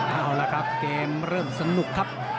เอาละครับเกมเริ่มสนุกครับ